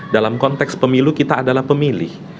dalam konteks pemilu kita adalah pemilih